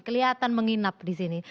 kelihatan menginap disini